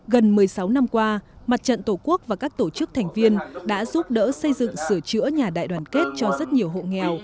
gần một mươi sáu năm qua mặt trận tổ quốc và các tổ chức thành viên đã giúp đỡ xây dựng sửa chữa nhà đại đoàn kết cho rất nhiều hộ nghèo